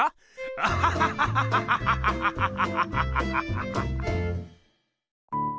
アハハハハハハハハ！